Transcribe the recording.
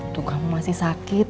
tuh kamu masih sakit